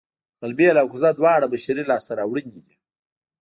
غلبېل او کوزه دواړه بشري لاسته راوړنې دي